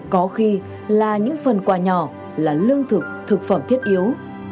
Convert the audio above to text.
có khi là những phần quà nhỏ là lương thực thực phẩm thiết yếu